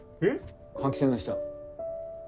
換気扇の下。